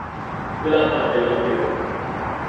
เวลาผ่านไปหลายเดือน